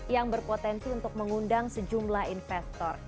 yang berpotensi untuk mengundang sejumlah investor